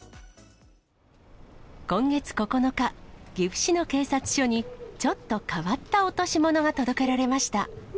今月９日、岐阜市の警察署に、ちょっと変わった落し物が届けられました。